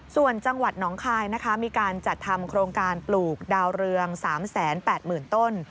ส่วนจังหวัดหนองคายนะคะมีการจัดทำโครงการปลูกดาวเรือง๓๘๐๐๐ต้น